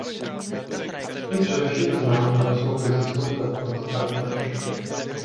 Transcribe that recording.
Je především znám pro svou fyzickou zdatnost a výdrž.